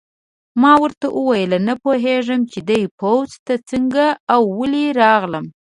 ما ورته وویل: نه پوهېږم چې دې پوځ ته څنګه او ولې راغلم.